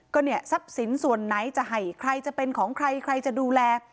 ก็เนี่ยทรัพย์สินส่วนไหนจะให้ใครจะเป็นของใครใครจะดูแล